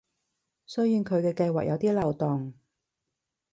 雖然佢嘅計畫有啲漏洞